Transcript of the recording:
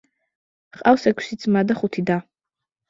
ჰყავს ექვსი ძმა და ხუთი და.